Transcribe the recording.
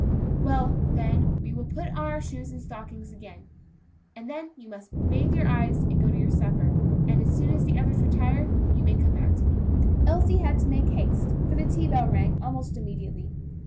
"Well, then we will put on the shoes and stockings again," he said pleasantly, "and then you must bathe your eyes, and go to your supper; and, as soon as the others retire, you may come back to me." Elsie had to make haste, for the tea bell rang almost immediately.